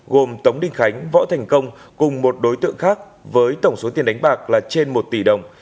gồm tống đình khánh võ thành công cùng một đối tượng khác với tổng số tiền đánh bạc là trên một tỷ đồng